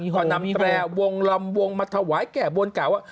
พอนำแตรวุลบันเลงรำวงรำวงมาถวายแก่บนกล่าว